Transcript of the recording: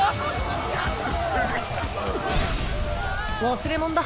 忘れ物だ。